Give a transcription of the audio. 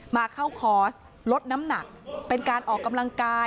มาเข้าคอร์สลดน้ำหนักเป็นการออกกำลังกาย